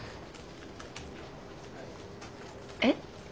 えっ？